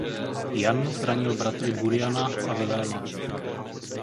Jan zranil bratry Buriana a Viléma.